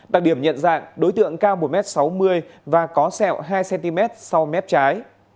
đặc điểm nhận dạng đối tượng cao một m sáu mươi và có sẹo hai cm sau mép trái